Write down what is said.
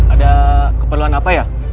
ada keperluan apa ya